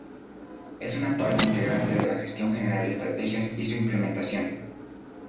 Es una parte integrante de la gestión general de estrategias y su implementación.